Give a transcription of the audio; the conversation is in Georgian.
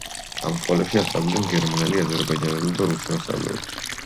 ამ სკოლებში ასწავლიდნენ გერმანელი, აზერბაიჯანელი და რუსი მასწავლებლები.